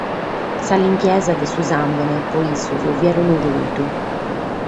Sa limpiesa de su sàmbene pro issos fiat unu cultu.